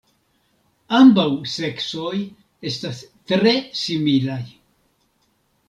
Ambaŭ seksoj estas tre similaj.